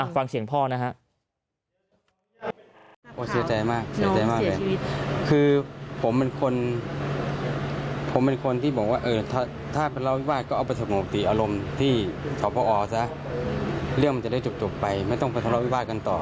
ฟังเสียงพ่อนะครับ